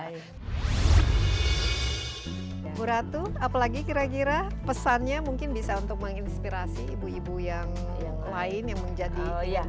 ibu ratu apalagi kira kira pesannya mungkin bisa untuk menginspirasi ibu ibu yang lain yang menjadi